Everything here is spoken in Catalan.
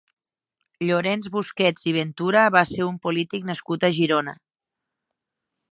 Llorenç Busquets i Ventura va ser un polític nascut a Girona.